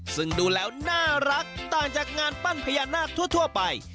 ซึ่งดูแล้วน่ารักต่างจากงานปั้นพญานาคทั่วไป